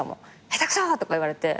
「下手くそ！」とか言われて。